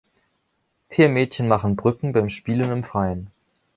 Vier Mädchen machen Brücken beim Spielen im Freien.